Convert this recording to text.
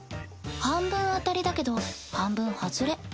半分当たりだけど半分ハズレ。